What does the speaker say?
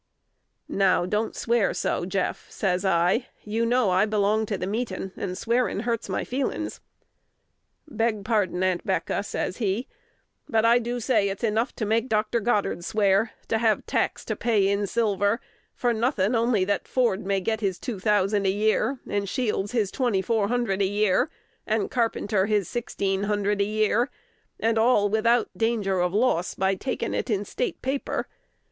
"Now, don't swear so, Jeff," says I: "you know I belong to the meetin', and swearin' hurts my feelins'." "Beg pardon, Aunt'Becca," says he; "but I do say it's enough to make Dr. Goddard swear, to have tax to pay in silver, for nothing only that Ford may get his two thousand a year, and Shields his twenty four hundred a year, and Carpenter his sixteen hundred a year, and all without 'danger of loss' by taking it in State paper.